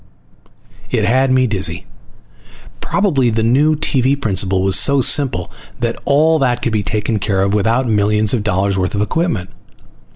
It had me dizzy. Probably the new TV principle was so simple that all that could be taken care of without millions of dollars worth of equipment.